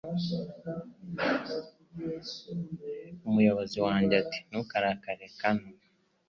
Umuyobozi wanjye ati Ntukarakare Caron